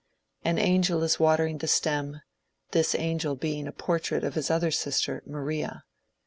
An angel is watering the stem, this angel being a portrait of his other sister, Maria.